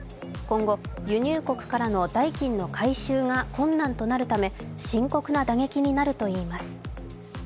今後、輸入国からの代金の回収が困難となるため、深刻な打撃になるといいます。